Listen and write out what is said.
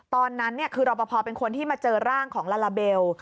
ตอนนั้นคือรอปภเป็นคนที่มาเจอร่างของลาลาเบล